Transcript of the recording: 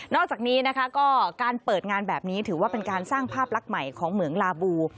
อกจากนี้นะคะก็การเปิดงานแบบนี้ถือว่าเป็นการสร้างภาพลักษณ์ใหม่ของเหมืองลาบู